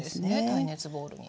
耐熱ボウルに。